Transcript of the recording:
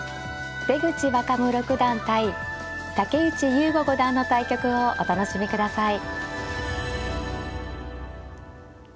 出口若武六段対竹内雄悟五段の対局をお楽しみください。